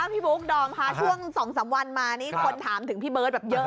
พี่บุ๊คดอมค่ะช่วง๒๓วันมานี่คนถามถึงพี่เบิร์ตแบบเยอะ